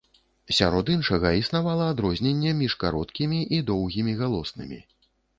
Сярод іншага, існавала адрозненне між кароткімі і доўгімі галоснымі.